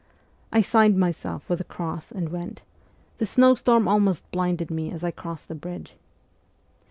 I signed myself with the cross and went ; the snowstorm almost blinded me as I crossed the bridge.